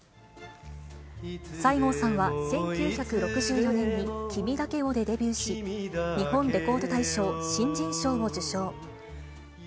西郷さんは、１９６４年に君だけをでデビューし、日本レコード大賞新人賞を受賞。